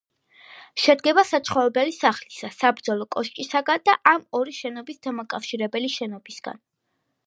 შედგება საცხოვრებელი სახლისა, საბრძოლო კოშკისგან და ამ ორი შენობის დამაკავშირებელი შენობისგან.